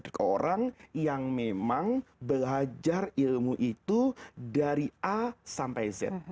ke orang yang memang belajar ilmu itu dari a sampai z